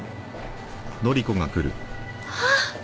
あっ。